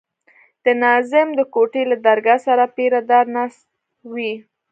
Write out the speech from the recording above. د ناظم د کوټې له درګاه سره پيره دار ناست وي.